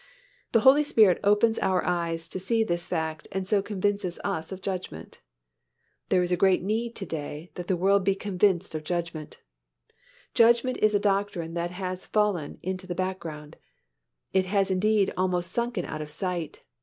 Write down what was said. The Holy Spirit opens our eyes to see this fact and so convinces us of judgment. There is a great need to day that the world be convinced of judgment. Judgment is a doctrine that has fallen into the background, that has indeed almost sunken out of sight.